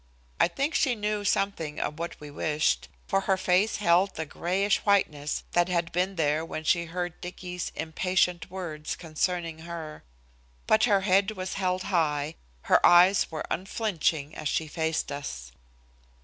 I think she knew something of what we wished, for her face held the grayish whiteness that had been there when she heard Dicky's impatient words concerning her. But her head was held high, her eyes were unflinching as she faced us.